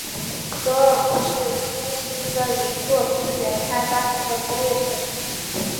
格尔木是新兴的一座资源开发型的工业城市。